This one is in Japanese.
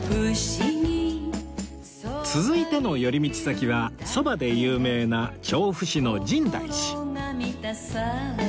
続いての寄り道先はそばで有名な調布市の深大寺